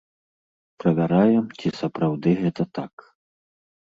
Правяраем, ці сапраўды гэта так.